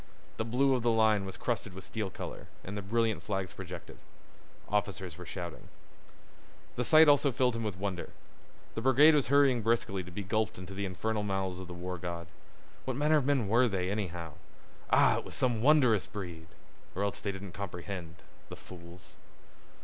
The blue of the line was crusted with steel color, and the brilliant flags projected. Officers were shouting. This sight also filled him with wonder. The brigade was hurrying briskly to be gulped into the infernal mouths of the war god. What manner of men were they, anyhow? Ah, it was some wondrous breed! Or else they didn't comprehend—the fools.